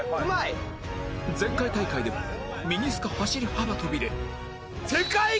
前回大会ではミニスカ走り幅跳びで